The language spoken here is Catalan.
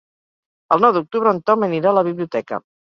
El nou d'octubre en Tom anirà a la biblioteca.